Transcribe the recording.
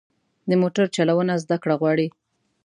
د موټر چلوونه زده کړه غواړي.